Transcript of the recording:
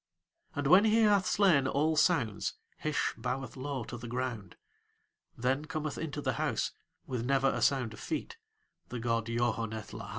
And when he hath slain all sounds Hish boweth low to the ground; then cometh into the house, with never a sound of feet, the god Yoharneth Lahai.